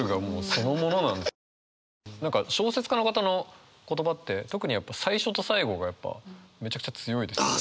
何か小説家の方の言葉って特に最初と最後がやっぱめちゃくちゃ強いですよね。